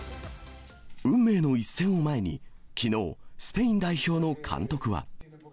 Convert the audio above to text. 運命の一戦を前に、きのう、スペイン代表の監督は。